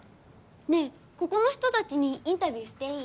ねえここの人たちにインタビューしていい？